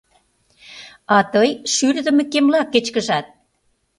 А тый шӱрыдымӧ кемла кечкыжат.